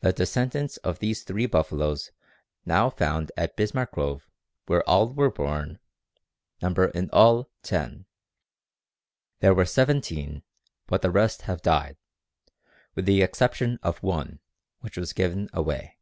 The descendants of these three buffaloes now found at Bismarck Grove, where all were born, number in all ten. There were seventeen, but the rest have died, with the exception of one, which was given away.